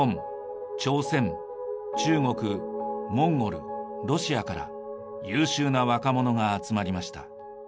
朝鮮中国モンゴルロシアから優秀な若者が集まりました。